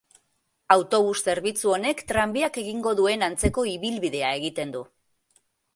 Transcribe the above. Autobus zerbitzu honek tranbiak egingo duen antzeko ibilbidea egiten du.